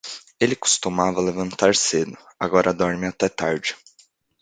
Ele costumava levantar cedo, agora dorme até tarde.